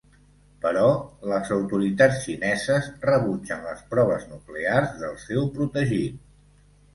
Però les autoritats xineses rebutgen les proves nuclears del seu protegit.